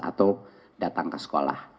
atau datang ke sekolah